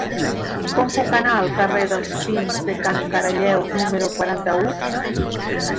Com puc anar al carrer dels Pins de Can Caralleu número quaranta-u?